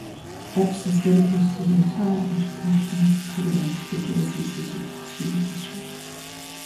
Epps has dedicated his entire education career to the Jersey City School District.